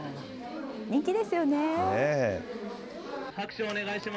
人気ですよね。